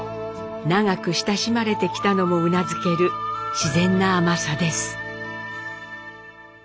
長く親しまれてきたのもうなずける自然な甘さです。